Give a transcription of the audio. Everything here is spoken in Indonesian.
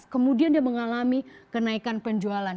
kemudian dia mengalami kenaikan penjualan